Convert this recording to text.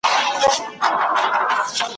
چا تر خولې را بادوله سپین ځګونه ,